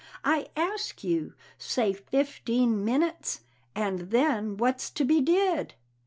I ask you; say fifteen minnets, and then what's to be did?